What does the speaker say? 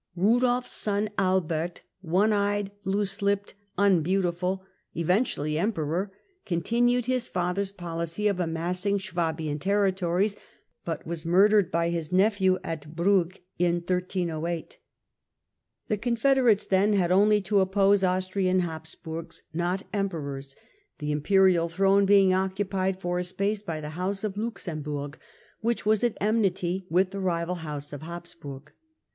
Albert of Kudolf's SOU Albert, "one eyed, loose lipped, unbeau tiful," eventually Emperor, continued his father's pohcy of amassing Swabian territories, but was murdered by his nephew at Brugg in 1308. The Confederates then had only to oppose Austrian Habsburgs not Emperors, the Imperial throne being occupied for a space by the House of Luxemburg, which was at enmity with the War with rival House of Habsburg.